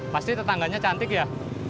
pasti tetangganya cantik ya